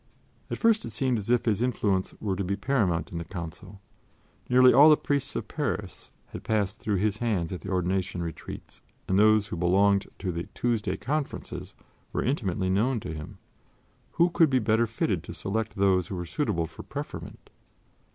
At first it seemed as if his influence were to be paramount in the Council. Nearly all the priests of Paris had passed through his hands at the ordination retreats and those who belonged to the "Tuesday Conferences" were intimately known to him. Who could be better fitted to select those who were suitable for preferment?